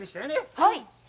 はい。